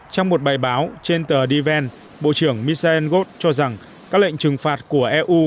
trong một bài báo trên tờ die wende bộ trưởng misha engot cho rằng các lệnh trừng phạt của eu